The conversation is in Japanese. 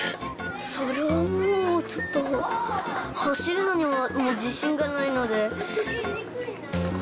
それはもう、ちょっと、走るのにはもう自信がないので。